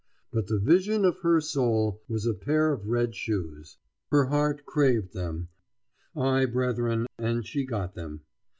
But the vision of her soul was a pair of red shoes! Her heart craved them; aye, brethren, and she got them.